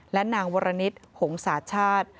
และนางวรณิตหงษาชาติ